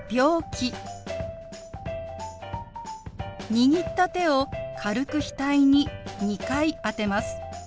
握った手を軽く額に２回当てます。